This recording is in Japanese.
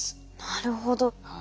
なるほど。